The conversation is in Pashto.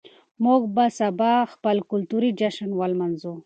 موږ به سبا خپل کلتوري جشن ولمانځو.